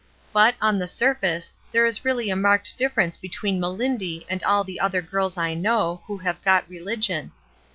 But, on the surface, there is really a marked difference between Melindy and all the other girls I know, who have 'got religion.'